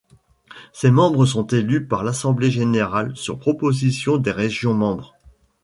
Ses membres sont élus par l'assemblée générale sur proposition des régions membres.